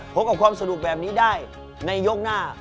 พบกับความสนุกแบบนี้ได้ในยกหน้า